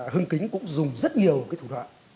hưng kính cũng dùng rất nhiều thủ đoạn